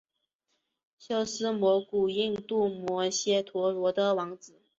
修私摩古印度摩揭陀国的王子。